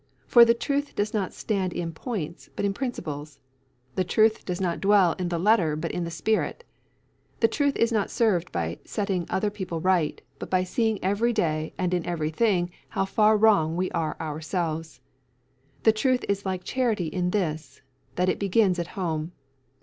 For the truth does not stand in points, but in principles. The truth does not dwell in the letter but in the spirit. The truth is not served by setting other people right, but by seeing every day and in every thing how far wrong we are ourselves. The truth is like charity in this, that it begins at home.